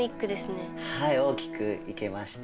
はい大きく生けました。